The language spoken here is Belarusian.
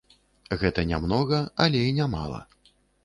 Гэта не многа, але і не мала.